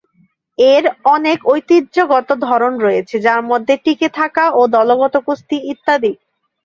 এর অনেক ঐতিহ্যগত ধরন রয়েছে যার মধ্যে টিকে থাকা, দলগত কুস্তি ইত্যাদি।